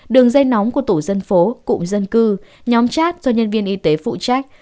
đường dây nóng của tổ dân phố cụm dân cư nhóm chat do nhân viên y tế phụ trách